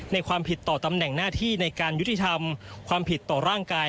ในความผิดต่อตำแหน่งหน้าที่ในการยุติธรรมความผิดต่อร่างกาย